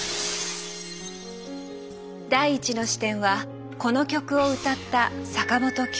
第１の視点はこの曲を歌った坂本九本人。